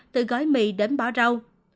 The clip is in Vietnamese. từ gói mì đến bỏ rau